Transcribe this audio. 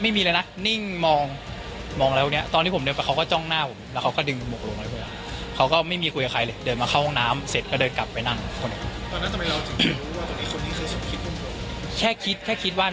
ไม่มีอะไรนี่มองแล้วับต้อนจอกเขาก็เดินมาดึงมาเขาข้างหน้า